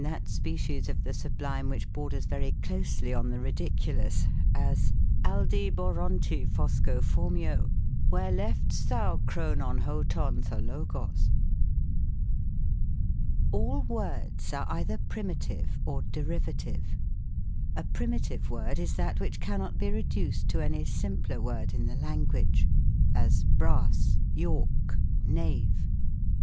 19 that species of the sublime which borders very closely on the ridiculous ; as, " Aldiborontiphoscophormio, Where left's thou Chrononhotonthologos ? All words are either primitive or derivative. A primitive word is that which cannot be reduced to any simpler word in the language; as, brass, York, knave.